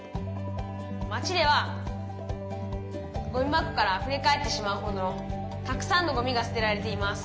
「町ではゴミ箱からあふれ返ってしまうほどのたくさんのゴミがすてられています」。